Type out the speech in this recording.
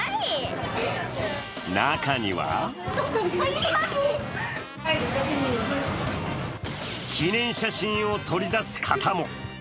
中には記念写真を撮り出す方も。